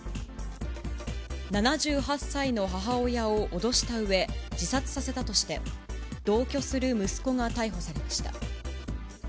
７８歳の母親を脅したうえ、自殺させたとして、同居する息子が逮捕されました。